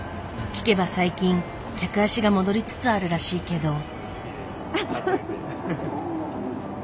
聞けば最近客足が戻りつつあるらしいけど。